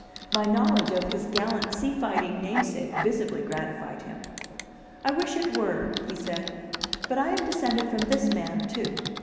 My knowledge of his gallant sea fighting namesake visibly gratified him. "I wish it were," he said; "but I am descended from this man, too.